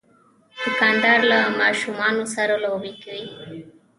دوکاندار له ماشومان سره لوبې کوي.